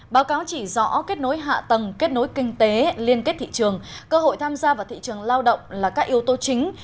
báo cáo chỉ rõ kết nối hạ tầng kết nối kinh tế liên kết thị trường cơ hội tham gia vào thị trường lao động là các yếu tố chính